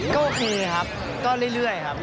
ก็โอเคครับก็เรื่อยครับ